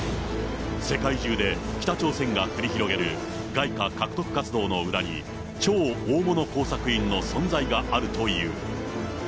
世界中で北朝鮮が繰り広げる、外貨獲得活動の裏に、超大物工作員の存在があるという。